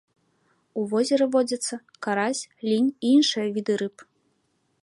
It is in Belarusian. У возеры водзяцца карась, лінь і іншыя віды рыб.